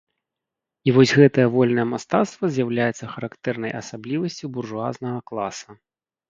І вось гэтае вольнае мастацтва з'яўляецца характэрнай асаблівасцю буржуазнага класа.